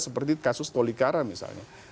seperti kasus tolikara misalnya